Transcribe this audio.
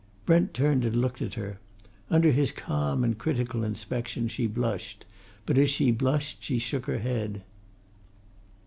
Brent turned and looked at her. Under his calm and critical inspection she blushed, but as she blushed she shook her head.